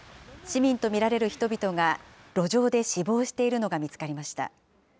市民と見られる人々が、路上で死亡しているのが見つかりました。